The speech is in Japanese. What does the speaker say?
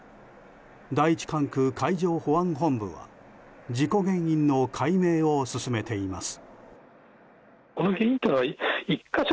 第１管区海上保安本部は事故原因の解明を進めています。